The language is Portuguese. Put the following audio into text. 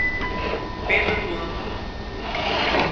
Pedra do Anta